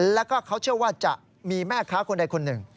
แล้วก็เขาเชื่อว่าจะมีแม่ค้าคนใดคนหนึ่ง